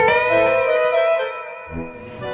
emang belum ada